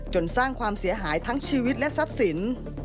สร้างความเสียหายทั้งชีวิตและทรัพย์สิน